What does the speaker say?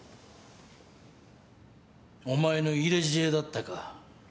お前の入れ知恵だったか。